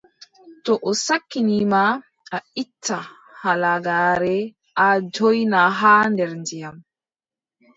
To o sakkini ma, a itta halagaare a joʼina haa nder ndiyam.